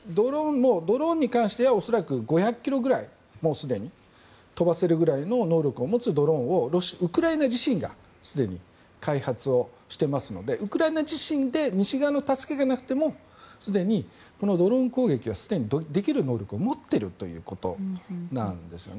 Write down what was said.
ドローンに関しては恐らく５００ｋｍぐらいもうすでに飛ばせるくらいの能力を持つドローンをウクライナ自身がすでに開発してますのでウクライナ自身で西側の助けがなくてもドローン攻撃はすでにできる能力を持っているということなんですね。